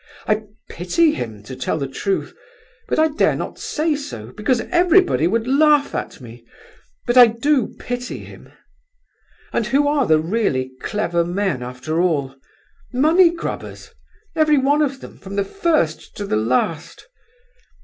I pity him, to tell the truth, but I dare not say so, because everybody would laugh at me—but I do pity him! And who are the really clever men, after all? Money grubbers, every one of them, from the first to the last.